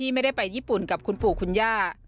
ไม่ได้ไปญี่ปุ่นกับคุณปู่คุณย่า